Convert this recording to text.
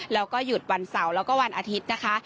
แล้วก็หยุดวันเสาร์แล้วก็วันอาทิตย์นะคะ